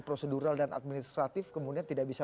prosedural dan administratif kemudian tidak bisa